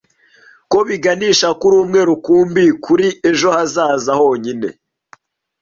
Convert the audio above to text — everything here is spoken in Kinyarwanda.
ko biganisha kuri umwe rukumbi kuri ejo hazaza honyine